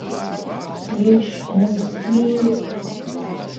Viņš mūs mīl.